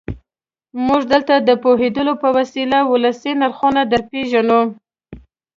موږ دلته د پوهېدو په هیله ولسي نرخونه درپېژنو.